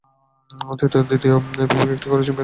তৃতীয় ও দ্বিতীয় বিভাগের একটি করে চ্যাম্পিয়ন দলও আছে এই দলে।